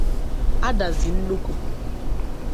Adazi-Nnukwu